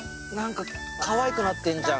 かわいくなってんじゃん。